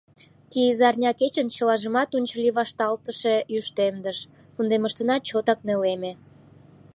Ты изарня кечын чылажымат унчыли вашталтыше южтемдыш кундемыштына чотак нелеме.